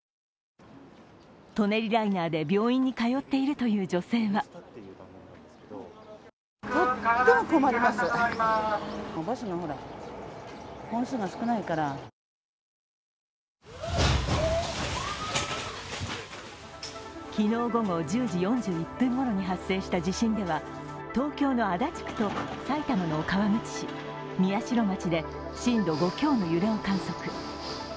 舎人ライナーで病院に通っているという女性は昨日午後１０時４１分ごろに発生した地震では、東京の足立区と埼玉の川口市、宮代町で震度５強の揺れを観測。